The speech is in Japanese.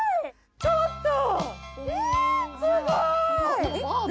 ちょっと。